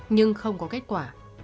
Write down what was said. nhưng không có kết quả